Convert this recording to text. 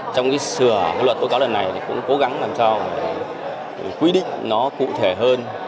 trong cái sửa luật tố cáo lần này thì cũng cố gắng làm sao để quy định nó cụ thể hơn